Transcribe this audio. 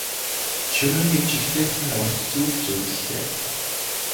Шөнө нь нэг жигтэйхэн урт зүүд зүүдэллээ.